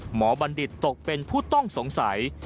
บัณฑิตตกเป็นผู้ต้องสงสัย